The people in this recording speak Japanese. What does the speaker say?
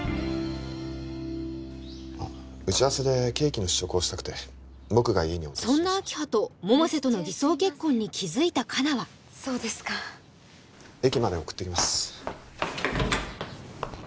あっ打ち合わせでケーキの試食をしたくてそんな明葉と百瀬との偽装結婚に気づいた香菜はそうですか駅まで送ってきます